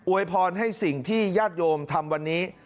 วยพรให้สิ่งที่ญาติโยมทำวันนี้